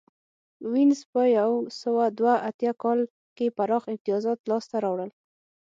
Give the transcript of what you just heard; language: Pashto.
وینز په یو سوه دوه اتیا کال کې پراخ امتیازات لاسته راوړل